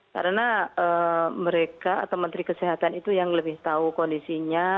karena mereka atau menteri kesehatan itu yang lebih tahu kondisinya